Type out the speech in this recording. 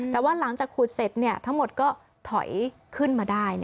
แต่ว่าหลังจากขุดเสร็จทั้งหมดก็ถอยขึ้นมาได้